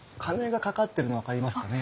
鐘が掛かってるの分かりますかね？